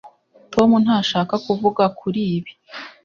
tom ntashaka kuvuga kuri ibi